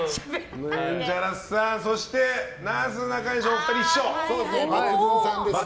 そして、なすなかにしのお二人は一緒。